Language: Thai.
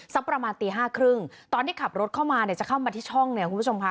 สักประมาณตีห้าครึ่งตอนที่ขับรถเข้ามาเนี่ยจะเข้ามาที่ช่องเนี่ยคุณผู้ชมค่ะ